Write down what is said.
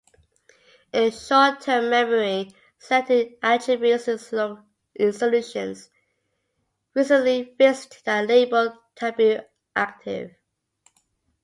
In short-term memory, selected attributes in solutions recently visited are labeled tabu-active.